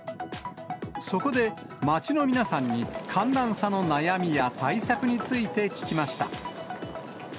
そこで、街の皆さんに寒暖差の悩みや対策について聞きました。